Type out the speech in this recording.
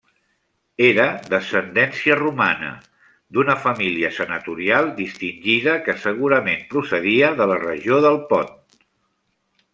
Era d'ascendència romana, d'una família senatorial distingida que segurament procedia de la regió del Pont.